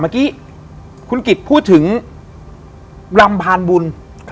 เมื่อกี้คุณกิจพูดถึงรำพานบุญ